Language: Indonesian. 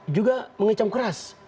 juga mengecam keras